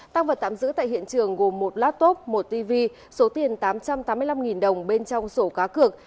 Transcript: tăng vật tạm giữ tại hiện trường gồm một laptop một tv số tiền tám trăm tám mươi năm đồng bên trong sổ cá cược